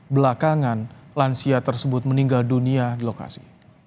belakangan lansia tersebut meninggal dunia di lokasi